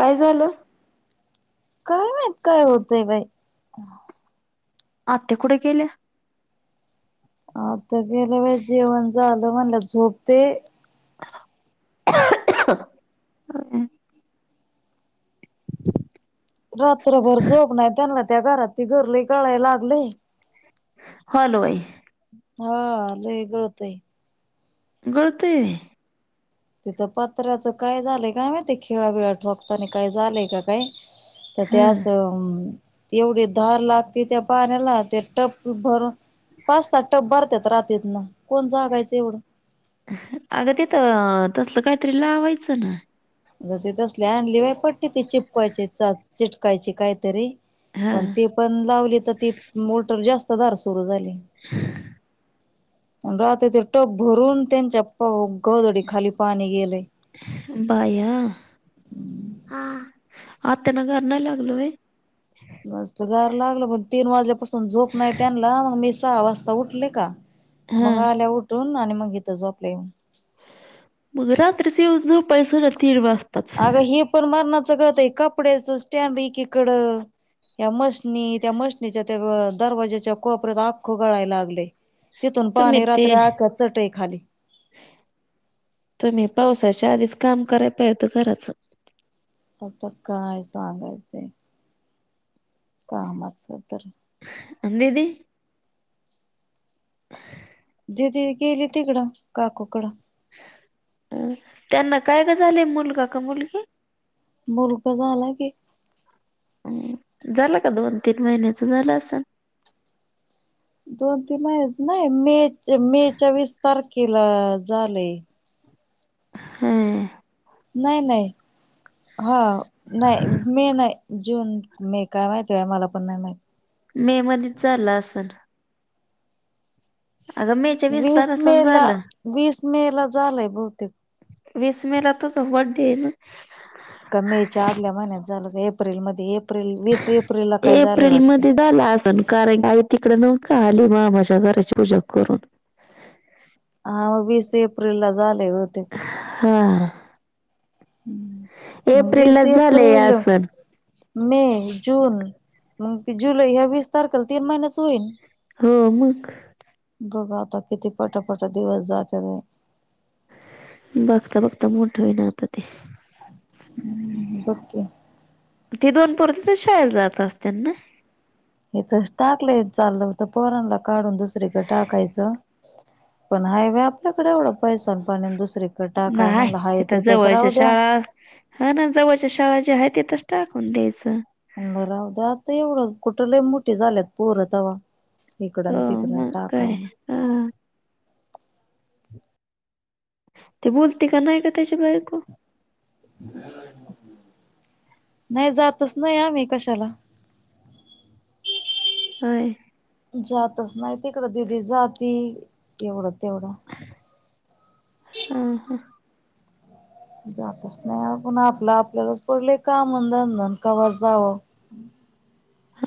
काय झालं. काय मात काय होतय बाई. आता कुड काले आता गेल्या व जेवण झालं म्हणलं झोपते. अ. रात्रभर झोप ग नाही त्यांना त्या घरात ती गरली कळाय लागले. हलो भाई. हा ल गळतय गळते. तिथं पत्र्याचं काय झालंय का ते खेळाबिळा ठोकताना काय झालंय का काय तर हं त्यास एवढी धार लागते त्या पाण्याला ते टप भरून पाचतात टप भर रात्रीत ना कोण जागायचं एवढं अगं ते तर तसलं काहीतरी लावायचं ना ज त तसले आणली बाय पटते ती चिपकायची चिटकायची कायतरी हा पण ती पण लावली तर ती मोटर जास्त दार सुरू झाली. ह. राहत ते टोप भरून त्यांच्या गोधडी खाली पाणी गेलेय. बाया ह. आता त्यांना घर नाही लागलोय. मस्त गार लागलं पण तीन वाजल्यापासून झोप नाही त्यांना मग मी सहा वाजता उठले का. हा मग आल्या उठून आणि मग इथं झोपल्या येऊन. मग रात्रीचे जो पैस ना तीन वाजत. अगं हे पण मरणाचं कळत आहे कपड्याच स्टँड एकीकडं या मशणी त्या मशीणीच्या त्या दरवाज्याच्या कोपऱ्यात आख्खू गळायला लागले. तिथून तुम्ही पाणी ते रात्री आक चटे खाली त्याच्या आधीच काम करायच होत घराच आता काय सांगायचे कामातं तर अं दीदी दिदी केली तिकडा काकुकडा हम त्यांना काय का झाले मुलगा का मुलगी मुलगा झाला की हम् झाला का दोन तीन महिन्याच झालं असल दोन तीन महिने नाही मे मेच्या वीस तारखेला झालेय हम नाही नाही हा नाही मी नाही जून मे काय माहती आहे मला पण नाही माहिती. मे मध्येच झालं असल. वीसला वीस मे नसन ला झालं. वीस मे ला झालंय बहुतेक. वीस मे ला तुझा बडे आहे ना. का मे च्या आदल्या महिन्यात झालं तर एप्रिलमध्ये एप्रिल मध्ये झालं असल कारण का तिकड न का आली मामाच्या घराची पूजा करून. हा मग वीस एप्रिल ला झाले होते. हा. ह म वीस एप्रिललाच झालंय एप्रिल. असन मे जून मगं जुलै ह्या वीस तारखेला तीन महिन्याच होईल. हो मग. बघा आता किती पटपट दिवस जाते. बघता बघता मोठा होई ना आता ते. हम्म बघ की. ते दोन पोर तिथंच शाळेला जात असतील ना. हे तर टाकले चाललं तर पोरांला काढून दुसरीकडे टाकायचं. पण हायवे आपल्याकडे एवढं पैसान पाणे दुसरीक नाही जवळच्या शाळा हा ना जवळच्या शाळा ज्या आहेत टाकून द्यायचं. राहूद्या आता एवढं कुठ लय मोठे झाल्यात पोर इकडन हो तिकडन मग काय टाकायला. हा ते बोलते का नाही का त्याच्या बायको. ह. नाही जातच नाही आम्ही कशाला ह. जातच नाही तिकडं दिदी जाती एवढ. तेवढा. हा हा जातच नाही पण आपलं आपल्यालाच पडलं काम धंद कवा जावं ह.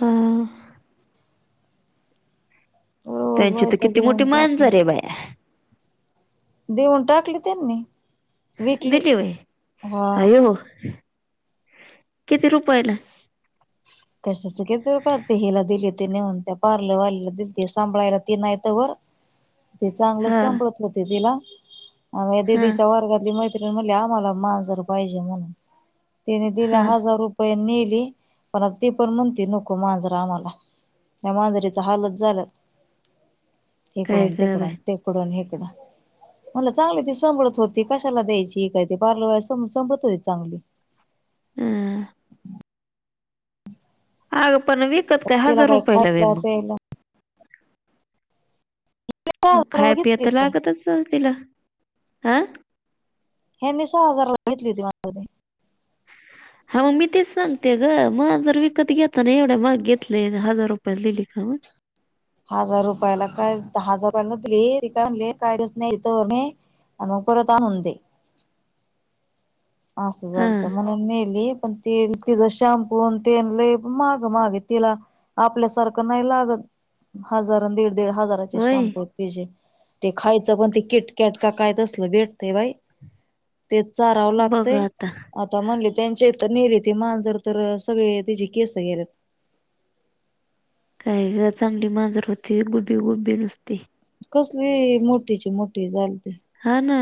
रोज त्यांची तर वैताग किती मोठी येऊन जातोय. मांजर आहे बाई. देऊन टाकली त्यांनी. विकली दिली व्हय. हा. अयो. किती रुपयाला? कशचते हिला दिली ते न म्हण त्या पार्लरवाल्याला दिलीते सांभळायला ती नाही. ते हां, चांगलंसांभाळत होते तिला. हां, दिदीच्या वर्गातली मैत्रिणी म्हणली आम्हाला माांजर पाहिजे म्हणून. तिने दिले हां. हजार रुपये नेले पण आता ती पण म्हणते नको मांजरा आम्हाला. या मांजरीच हाल झालं काय इकडून गं बाई! तिकडून तिकडून हिक कड. मला चांगली ती संांभळत होती कशाला द्यायची ही काय ते पार्ल संांभळत होती चांगली. हम्म! अग पण विकत काय तिला हजार रुपयला व्हय खायला मग. प्यायला सहा खाय हजाराला पिया घेतली तर नाही लागतच असलं तिला हं. हे मी सहा हजारला घेतली होती. [inaudible] हा मग मी तेच सांगते ग मग जर विकत घेताना एवढ्या माग घेतलं हजार रुपया दिली का मगं. [inaudible] हजार रुपयाला काय हजार रुपया न रिक काय दिवस नाहीथ. म्हणून परत आणून दिली. [inaudible] असं झालत हां, म्हणून मेली पण. ते तिचा शॅम्पू ते ल मागं मागे तिला आपल्यासारखं नाही लागत. हजारां दि. दिड हजाराचे होय. शमप आहेते ते खायचं पण ते किटक्याटका कायत असलं भेट. ते बाई तेच चाराव लागतय बघा आता. आता म्हणले त्यांच्या. नेले ते मांजर तर सगळे तचे केस गेलेत. का चांगली मांजर होते गुबे गुबे नुसते. कसली मोठीची मोठी झाली. हा ना.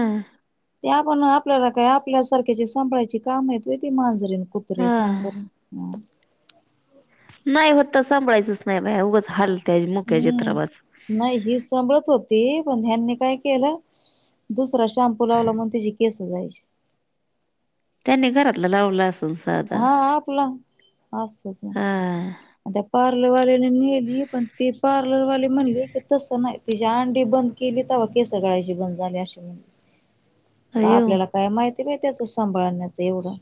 ते आपण आपल्याला काय आपल्यासारख्याचे सांभळायचे काम येतय ती मांजरे. कुत्रे सांग हां. बर. नाही होत सांभाळायचंच नाही बाय उगंच हाल. हम्म नाही हि सांभळत होती पण. त्यांनी काय केलं दुसरा श्यामपू लावला म्हून त्याची केस जायची. त्यांनी घरातलं लावलं अस. हा आपला असत हां. पर. ल वाल्याने नेली पण ती पार्लर वाले म्हणली की तसं नाही तची अंडी बंद केली तर. सकाळ्या ज बंद झालीशी म्हण. [inaudible] आता अय्यो! आपल्याला काय माहिती माहि त्याच सांभाळण्याच एवढं.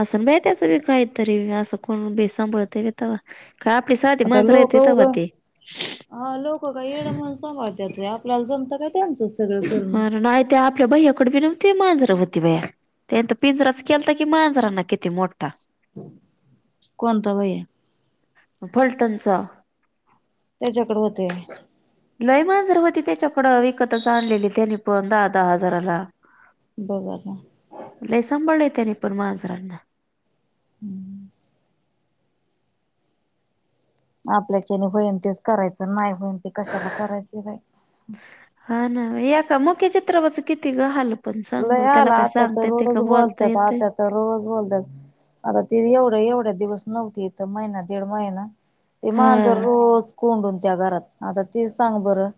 असं ब त्याच बी काहीतरी असं कोण बि सांभळतता. आता लोक उघं हा लोक का येड म्हण सांभाळतत. आपला जमत का त्यांचं सगळं करणं. अर नाही ते आपल्या भै्याकड बी नव्हते माझा होती त्यांत पिंजराच केल तर की मांजराना किती मोठा कोणता व्हय फल्टनचा. त्याच्याकडे होते [inaudible] लयमान सर्व ति त्याच्या. थोड विकत सांलेली तेेनप आ दहा हजारला. बघाला. सांभाळलंय त्याने पण मजरांना. हम्म. आपल्याच्याने होईन तेच करायचं नाही होईन ते कशाला करायचे बा. हा ना या का मुख्य चित्रापच किती हाल. पण सांग नाही बरं त्याला आला काय आता तर सांगता येते रोज का बोलता बोलतात येते आता तर रोज बोलतात. आता ती एवढे एवढे. दिवस नव्हथ महिना दीड महिना ते मांजर हा रोज कोंडून. त्या घरात आता ती सांग बरं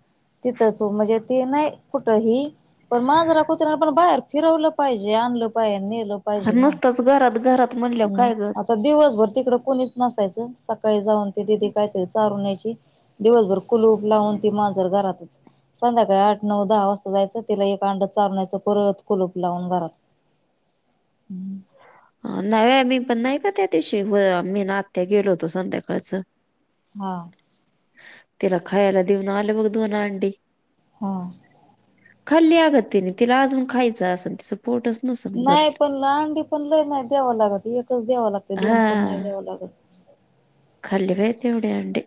तिथंच म्हणजे त नाही कुठही. पण मांजरा कुत्र पण बाहेर फिरवलं पाहिजे आणलं पाहिजे. र नसतच घरात घरात. म्हणल्यावर काय ग हम् आता दिवसभर तिकड कोणीच नसायचं सकाळी जाऊन ते दिदी कायतरी ारून न्याय दिवसभर कुलूप लावून ती मांजर घरातच संध्याकाळी आठ नऊ दहा वाजता जायचं तिला एक अंड चारण्यायचं परवत कुलूप लावून घरात [unintelligible] हम्म नव्या मी पण नाही का त्या दिवशी मी नात्या गेलो होतो संध्याकाळच हा तिरा खा यायला देऊन आलं बघ दो ना अंडी हा खाल्ली आग तिनी तिला अजुन खायचं असल नाही पण लांडी पण लई नाही द्यावं लागत एकच द्याव लागते हा दोन पण नाही द्यावं लागत एव्हढे अंडे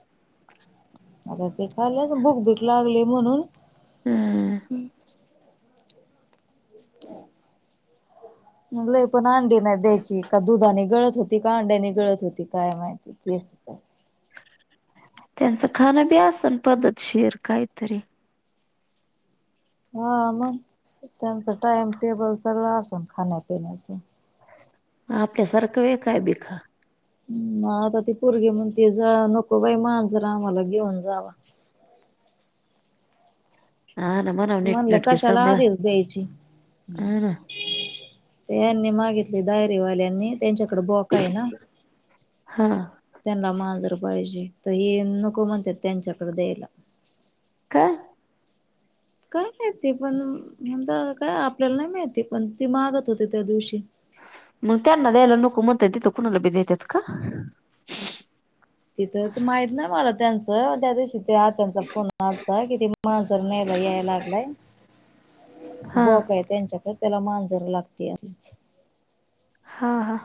आता ते खालंच भुक भीक लागली म्हणून हम्म. ह [inaudible] लय पण अंडी नाही द्यायची का दुधानी गळत होती का अंड्यानी गळत होती काय माहिती केस का त्यांचं खान बी आसन पद्धत शिर काहीतरी हा मग त्यांच टाइम टेबल सगळं आसन खाण्या पिण्याच आपल्यासारखं आहे काय बि खा आता ती पोरगी म्हणते जा नको बाई मांजर आम्हाला घेऊन जावा [inaudible] हा ना म्हणा म्हणल नीटनटकी कशाला सांभाळा आधीच द्यायची हा ना ते यांनी मागितली दायरीवाल्यानी त्यांच्याकडे बोका आहे ना हा त्यांना मांजर पाहिजे तर ह नको म्हणत त्यांच्याकडे द्यायला का काय माहिती पण हे काय आपल्याला नाही माहिती पण ती मागत होते त्या दिवशी मग त्यांना द्यायला नको म्हणत देत कुणाला बी देतात का तिथं माहित नाही मला त्यांचं त्या दिवशी ते आतचा फोन आलता किती मांजर न्यायला याय लागलाय हा बोका आहे त्यांच्याकडे त्याला मांजर लागते असच. हा हा.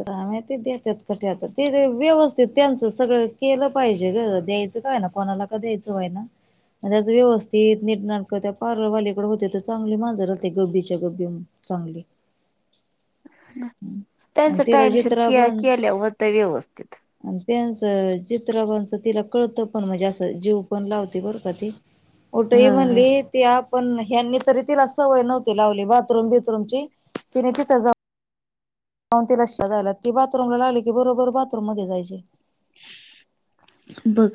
काय माहिती ते देतात का ठेवतात ते व्यवस्थित त्यांचं सगळं केलं पाहिजे ग. द्यायचं काय कोणाला क द्यायचंय होईना. त्याचं व्यवस्थित निटनाक त्या पार्लरवाल्याकडे होते तर चांगली मांजर राहते गब्बीच्या गब्बी. चांगली [inaudible] आणि त्यांचा तिला टाइमशिर जित्राबांच केल्या होत व्यवस्थित आणि त्यांचं चित्रपांचं तिला कळतं पण म्हणजे असं जीव पण लावते बरं का ती होटही हा हा म्हणले ते आप [unintelligible] पण ह्यांनी तरी तिला सवय नव्हती लावली बाथरूम बीथरूमची तिने तिथे जाऊन जाऊन तिला ती बाथरूम लागली की बरोबर बाथरूम मध्ये जायचे बघ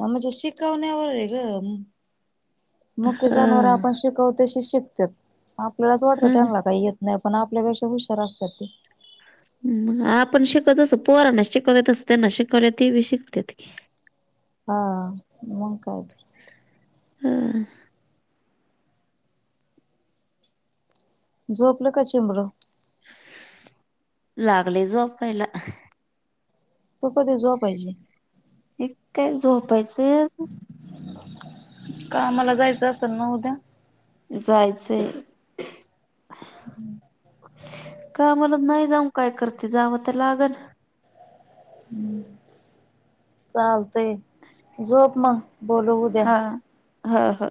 हा म्हणजे शिकवण्यावर आहे ग मुक्या जनावर हां. आपण शिकवतो तशी शिकतात आपल्यालाच वाटतं हां ना. त्यांना काही येत नाही पण आपल्यापेक्षा हुशार असतात ते आपण शिकत असो पोहरांना शिकवत अस त्यांना शिकवले ते शिकत्यात की [inaudible] ह मग काय ह झोपलं का चेंबड. लागले झोपायला. तू कधी झोपायची. एक काय झोपायचंय. कामाला जायचं असेल ना उद्या. जायचंय कामला नाही. जाऊ काय करते जावं तर लागल. हम् ल ते झोप मग बोल उद्या. हा हा.